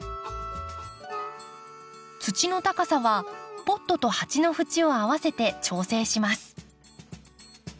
土の高さはポットと鉢の縁を合わせて調整します。